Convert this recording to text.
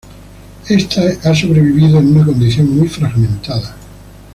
Este ha sobrevivido en una condición muy fragmentada.